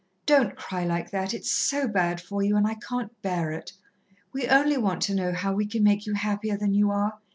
"Don't cry like that it's so bad for you and I can't bear it. We only want to know how we can make you happier than you are.